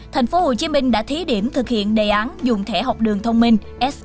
thành phố hồ chí minh đã thí điểm thực hiện đề án dùng thẻ học đường thông minh